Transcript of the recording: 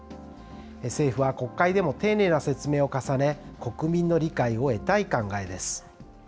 政府は国会でも丁寧な説明を重ね、国民の理解を得たい考えです。